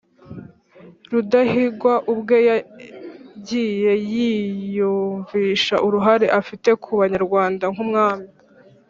Rudahigwa ubwe yagiye yiyumvisha uruhare afite ku Banyarwanda nk'umwami,